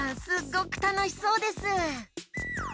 すっごくたのしそうです。